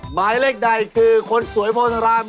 หมายเลขใดคือคนสวยโพธาราม